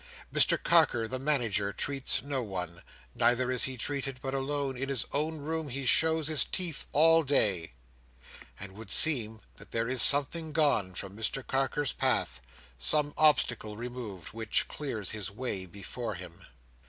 Mr Carker the Manager treats no one; neither is he treated; but alone in his own room he shows his teeth all day; and it would seem that there is something gone from Mr Carker's path—some obstacle removed—which clears his way before him.